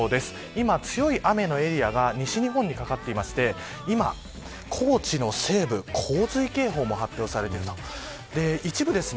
今、強い雨のエリアが西日本にかかっていて高知の西部には洪水警報も発表されています。